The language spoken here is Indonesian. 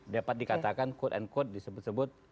dapat dikatakan quote and quote disebut sebut